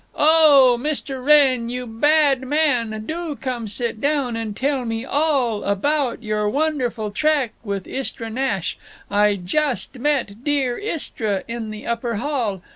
"Oh h h h, Mr. Wrenn, you bad man, do come sit down and tell me all about your wonderful trek with Istra Nash. I just met dear Istra in the upper hall.